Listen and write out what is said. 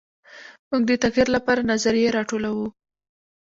موږ د تغیر لپاره نظریې راټولوو.